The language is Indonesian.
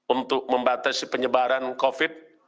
untuk membatasi penyebaran covid sembilan belas